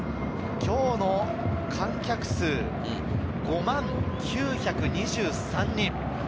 今日の観客数５万９２３人。